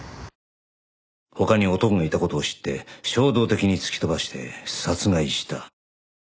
他に男がいた事を知って衝動的に突き飛ばして殺害した。